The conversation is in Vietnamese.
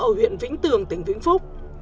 hậu pháo ở huyện vĩnh tường tỉnh vĩnh phúc